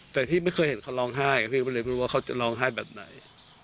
แต่พี่ไม่เคยเห็นเขาร้องไห้พี่ก็เลยไม่รู้ว่าเขาจะร้องไห้แบบไหน